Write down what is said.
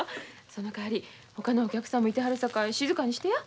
そのかわりほかのお客さんもいてはるさかい静かにしてや。